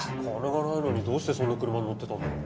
金がないのにどうしてそんな車に乗ってたんだ？